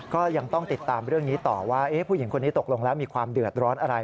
ก็ยังต้องติดตามเรื่องนี้ต่อว่าผู้หญิงคนนี้ตกลงแล้วมีความเดือดร้อนอะไร